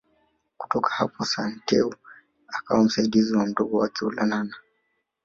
Kutoka hapo Santeu akawa msaidizi wa Mdogo wake Olonana